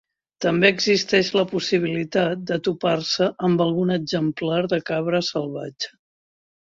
També existeix la possibilitat de topar-se amb algun exemplar de cabra salvatge.